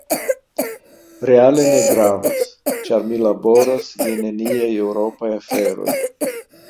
Reale ne gravas, ĉar mi laboras je neniaj eŭropaj aferoj.